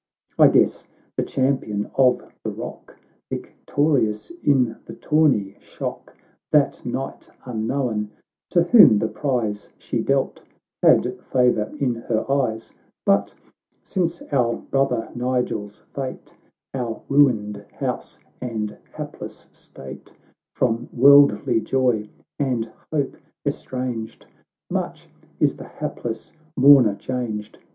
615 I guess the Champion of the Rock, Victorious in the tourney shock, That knight unknown, to whom the prize She dealt, — had favour in her eyes ; But since our brother Nigel's fate, Our ruined house and hapless state, Prom worldly joy and hope estranged, Much is the hapless mourner changed.